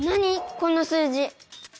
この数字？